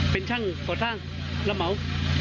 เป็นช่างก่อสร้างรับเหมา